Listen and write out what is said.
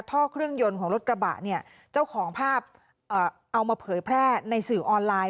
ท่อเครื่องยนต์ของรถกระบะเนี่ยเจ้าของภาพเอามาเผยแพร่ในสื่อออนไลน์